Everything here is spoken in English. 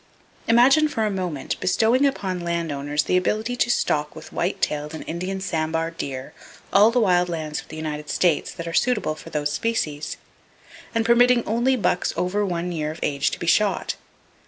Imagine for a moment bestowing upon land owners the ability to stock with white tailed and Indian sambar deer all the wild lands of the United States that are suitable for those species, and permitting only bucks over one year of age to be shot.